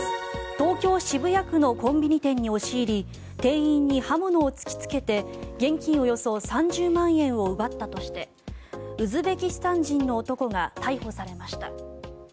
東京・渋谷区のコンビニ店に押し入り店員に刃物を突きつけて現金およそ３０万円を奪ったとしてウズベキスタン人の男が逮捕されました。